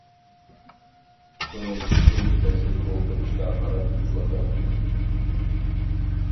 كۆڭۈل قۇشۇم كەچلىك ئولتۇرۇشقا قاراپ ئۇچۇۋاتاتتى.